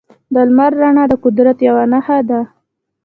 د لمر رڼا د قدرت یوه نښه ده.